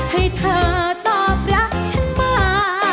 ให้เธอตอบรักฉันมา